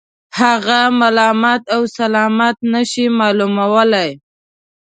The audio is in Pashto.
هغه ملامت و سلامت نه شي معلومولای.